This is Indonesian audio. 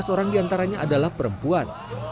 tiga belas orang diantaranya adalah perempuan